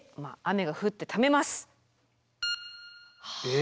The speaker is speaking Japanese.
え。